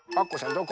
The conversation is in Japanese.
どこ？